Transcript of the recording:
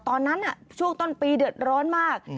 ตอนนั้นน่ะช่วงต้นปีเดือดร้อนมาก